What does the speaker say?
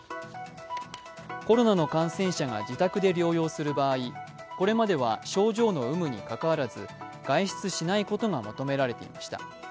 コロナの感染者が自宅で療養する場合、これまでは症状の有無にかかわらず外出しないことが求められていました。